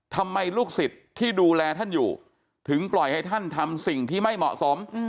ลูกศิษย์ที่ดูแลท่านอยู่ถึงปล่อยให้ท่านทำสิ่งที่ไม่เหมาะสม